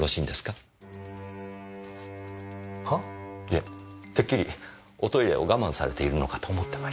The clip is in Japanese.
いやてっきりおトイレを我慢されているのかと思ってました。